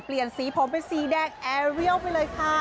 เปลี่ยนสีผมเป็นสีแดงแอร์เรียลไปเลยค่ะ